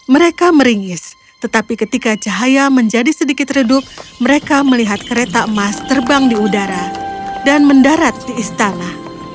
mereka meringis tetapi ketika cahaya menjadi sedikit redup mereka melihat kereta emas terbang di udara dan mendarat di istana